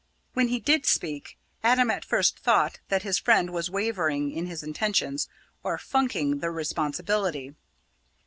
When he did speak, Adam at first thought that his friend was wavering in his intention, or "funking" the responsibility.